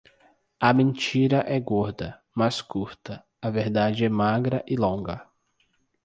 A mentira é gorda, mas curta; A verdade é magra e longa.